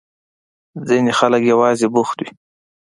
ځينې خلک يوازې بوخت وي.